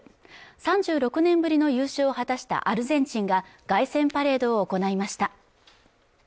３６年ぶりの優勝を果たしたアルゼンチンが凱旋パレードを行いました